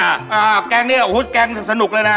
อ่าแกงเนี่ยโอ้โหแกงสนุกเลยนะ